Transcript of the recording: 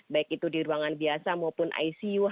baik itu di ruangan biasa maupun icu